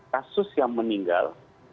kasus yang meninggal